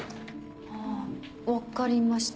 はぁ分かりました。